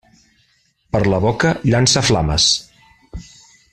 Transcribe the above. Per la boca llança flames.